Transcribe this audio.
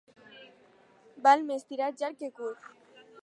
Val més tirar llarg que curt.